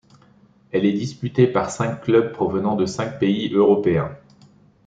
Elle est disputée par cinq clubs provenant de cinq pays européens.